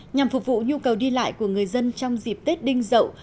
nhằm phục vụ nhu cầu đi lại của người dân trong dịp tết đinh dậu